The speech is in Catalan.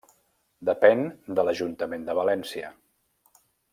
Depèn de l'Ajuntament de València.